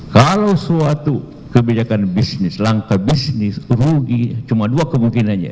kalau suatu kebijakan bisnis langkah bisnis rugi cuma dua kemungkinannya